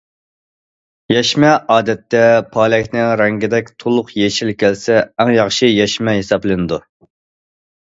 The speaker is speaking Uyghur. يەشمە ئادەتتە پالەكنىڭ رەڭگىدەك توق يېشىل كەلسە ئەڭ ياخشى يەشمە ھېسابلىنىدۇ.